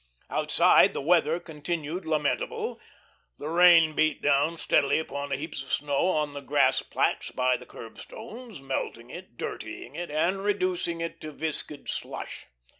Outside the weather continued lamentable. The rain beat down steadily upon the heaps of snow on the grass plats by the curbstones, melting it, dirtying it, and reducing it to viscid slush.